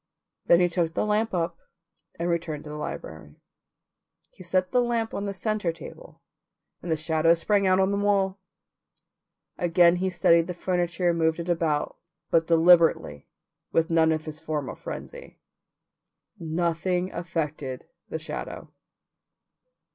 Then he took the lamp up and returned to the library. He set the lamp on the centre table, and the shadow sprang out on the wall. Again he studied the furniture and moved it about, but deliberately, with none of his former frenzy. Nothing affected the shadow.